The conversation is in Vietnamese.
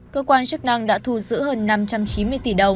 cơ quan chức năng đã thu giữ hơn năm triệu